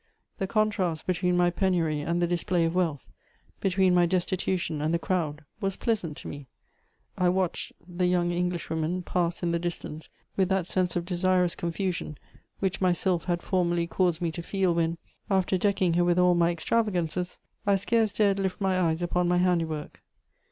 The contrast between my penury and the display of wealth, between my destitution and the crowd, was pleasant to me. I watched the young Englishwomen pass in the distance with that sense of desirous confusion which my sylph had formerly caused me to feel when, after decking her with all my extravagances, I scarce dared lift my eyes upon my handiwork.